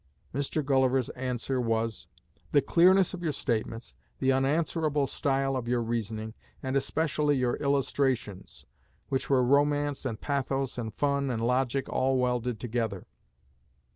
Mr. Gulliver's answer was: "The clearness of your statements, the unanswerable style of your reasoning, and especially your illustrations, which were romance and pathos and fun and logic all welded together."